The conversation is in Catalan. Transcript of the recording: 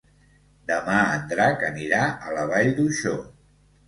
Demà en Drac anirà a la Vall d'Uixó.